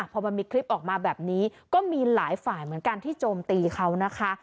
พอมันมีคลิปออกมาแบบนี้ก็มีหลายฝ่ายเหมือนกันที่โจมตีเขานะคะ